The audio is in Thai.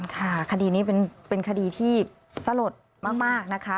คดีนี้เป็นคดีที่สลดมากนะคะ